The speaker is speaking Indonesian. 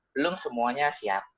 belum semuanya siap